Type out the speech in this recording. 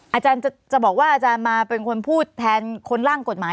อาจารย์จะบอกว่าอาจารย์มาเป็นคนพูดแทนคนร่างกฎหมาย